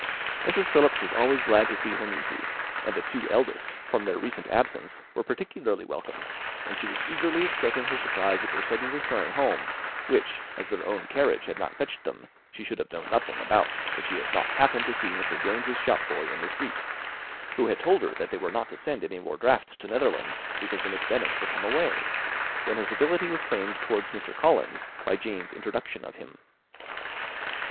Mrs. Philips was always glad to see her nieces; and the two eldest, from their recent absence, were particularly welcome; and she was eagerly expressing her surprise at their sudden return home, which, as their own carriage had not fetched them, she should have known nothing about, if she had not happened to see Mr. Jones's shopboy in the street, who had told her that they were not to send any more draughts to Netherfield, because the Miss Bennets were come away, when her civility was claimed towards Mr. Collins by Jane's introduction of him.